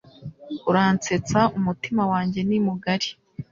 Uransetsa umutima wanjye ni mugari.